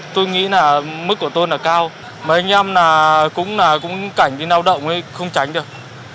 tôi nghĩ mức của tôi là cao mà anh em cũng cảnh đi nào động không tránh được